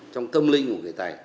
trong tâm linh của người tày